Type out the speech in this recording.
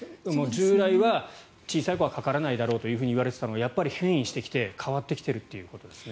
従来は小さい子はかからないだろうといわれていたのが変異してきて変わってきているという感じですね。